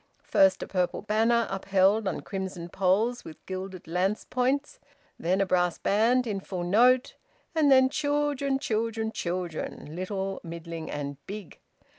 First a purple banner, upheld on crimson poles with gilded lance points; then a brass band in full note; and then children, children, children little, middling, and big.